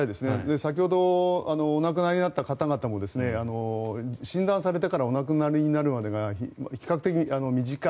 先ほどお亡くなりになられた方々も診断されてからお亡くなりになるまでが比較的、短い。